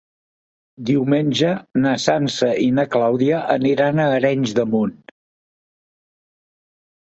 Diumenge na Sança i na Clàudia aniran a Arenys de Munt.